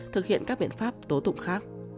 thực hiện các biện pháp tố tụng khác